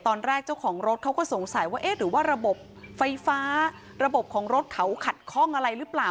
เจ้าของรถเขาก็สงสัยว่าเอ๊ะหรือว่าระบบไฟฟ้าระบบของรถเขาขัดข้องอะไรหรือเปล่า